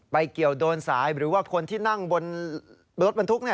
เกี่ยวโดนสายหรือว่าคนที่นั่งบนรถบรรทุก